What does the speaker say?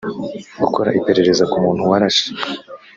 gukora iperereza ku muntu warashe